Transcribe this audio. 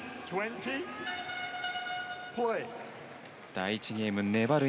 第１ゲーム粘る